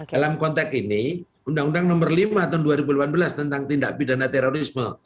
dalam konteks ini undang undang nomor lima tahun dua ribu delapan belas tentang tindak pidana terorisme